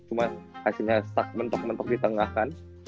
cuma kasihnya stack mentok mentok di tengah kan